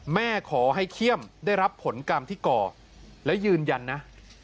แม่ขอให้เขี้ยมได้รับผลกรรมที่ก่อแล้วยืนยันนะ